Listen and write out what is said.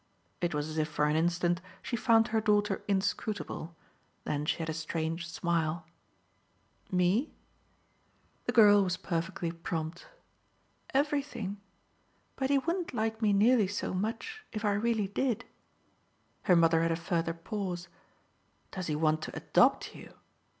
It was as if for an instant she found her daughter inscrutable; then she had a strange smile. "Me?" The girl was perfectly prompt. "Everything. But he wouldn't like me nearly so much if I really did." Her mother had a further pause. "Does he want to ADOPT you?"